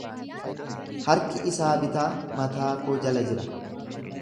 Harki isaa bitaa mataa koo jala jira.